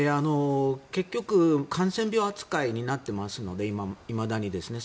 結局、感染病扱いになってますのでいまだにですね。